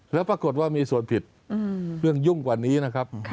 แล้วปรากฏว่ามีส่วนผิดเรื่องยุ่งกว่านี้นะครับ